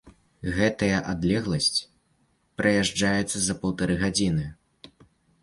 Гэтая адлегласць праязджаецца за паўтары гадзіны.